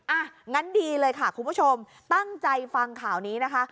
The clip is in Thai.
อ่ะงั้นดีเลยค่ะคุณผู้ชมตั้งใจฟังข่าวนี้นะคะ